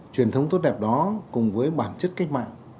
truyền thống tốt đẹp đó cùng với bản chất cách mạng